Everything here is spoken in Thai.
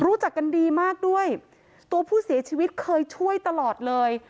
รู้จักกันดีมากด้วยตัวผู้เสียชีวิตเคยช่วยตลอดเลย